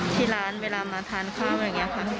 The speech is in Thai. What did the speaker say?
ที่ร้านเวลามาทานข้าวอะไรอย่างนี้ค่ะ